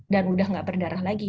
dan udah nggak berdarah lagi